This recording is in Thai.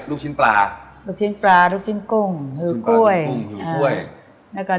ลูกชิ้นปลารูกชิ้นปลารูกชิ้นกุ้มเนื่องก้วย